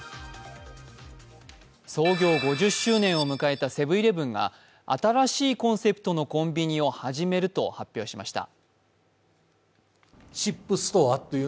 創業５０周年を迎えたセブン−イレブンが新しいコンセプトのコンビニを始めると発表しました。